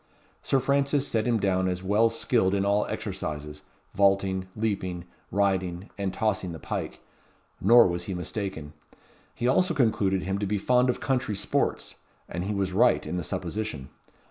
Sir Francis set him down as well skilled in all exercises; vaulting, leaping, riding, and tossing the pike; nor was he mistaken. He also concluded him to be fond of country sports; and he was right in the supposition.